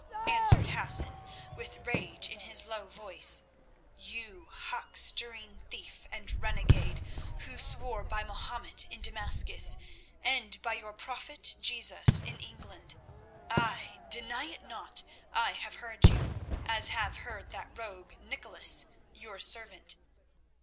answered Hassan, with rage in his low voice, "you, huckstering thief and renegade, who swear by Mahomet in Damascus and by your prophet Jesus in England—ay, deny it not, I have heard you, as I have heard that rogue, Nicholas, your servant.